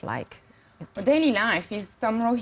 sebuah rohingya di beberapa kawasan